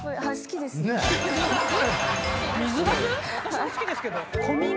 私も好きですけど。